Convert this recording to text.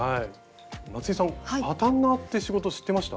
松井さんパタンナーって仕事知ってました？